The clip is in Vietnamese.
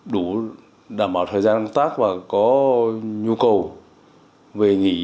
đủ đảm bảo thời gian công tác và có nhu cầu về nghỉ